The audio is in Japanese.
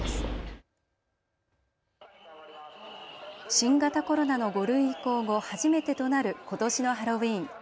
新型コロナの５類移行後、初めてとなることしのハロウィーン。